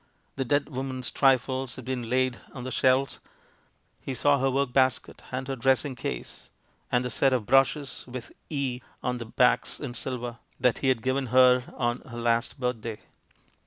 The dead woman's trifles had been laid on the shelves. He saw her work bas ket, and her dressing case, and the set of brushes, with "E" on the backs in silver, that he had given her on her last birthday.